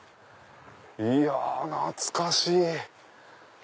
いや懐かしい！